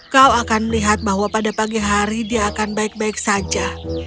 kau akan melihat bahwa pada pagi hari dia akan baik baik saja